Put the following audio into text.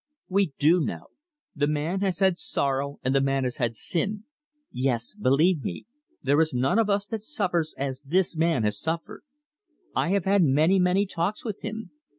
"We do know. The man has had sorrow and the man has had sin. Yes, believe me, there is none of us that suffers as this man has suffered. I have had many, many talks with him.